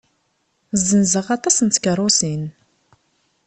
Zenzeɣ aṭas n tkeṛṛusin.